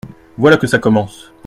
Voilà que ça commence.